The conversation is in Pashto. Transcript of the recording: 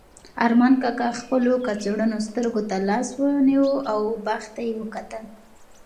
ارمان کاکا خپلو کڅوړنو سترګو ته لاس ونیو او باغ ته یې وکتل.